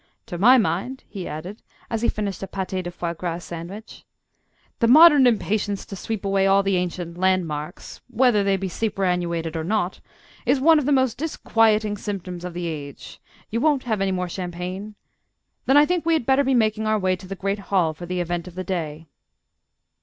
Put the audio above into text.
To my mind," he added, as he finished a pâté de foie gras sandwich, "the modern impatience to sweep away all the ancient landmarks (whether they be superannuated or not) is one of the most disquieting symptoms of the age. You won't have any more champagne? Then I think we had better be making our way to the Great Hall for the Event of the Day."